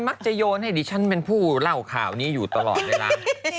โยนให้ดิฉันเป็นผู้เล่าข่าวนี้อยู่ตลอดเวลา